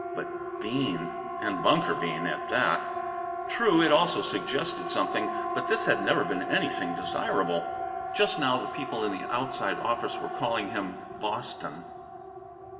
But Bean! And Bunker Bean, at that! True, it also suggested something, but this had never been anything desirable. Just now the people in the outside office were calling him "Boston."